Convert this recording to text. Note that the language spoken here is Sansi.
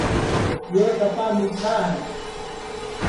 یو سپا مِیٹھا ہے